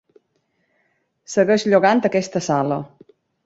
Segueix llogant aquesta sala.